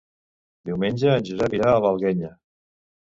Diumenge en Josep irà a l'Alguenya.